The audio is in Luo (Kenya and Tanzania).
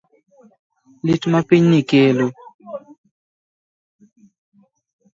Lit ma pinyni kelo